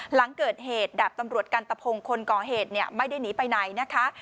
หลังเกิดเหตุดาบตำรวจกันตะพงคนก่อเหตุไม่ได้หนีไปไหนนะคะ